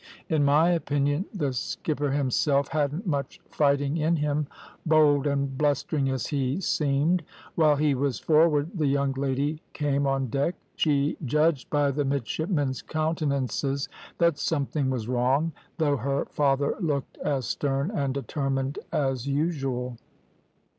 "In my opinion the skipper himself hadn't much fighting in him, bold and blustering as he seemed. While he was forward the young lady came on deck. She judged by the midshipmen's countenances that something was wrong, though her father looked as stern and determined as usual.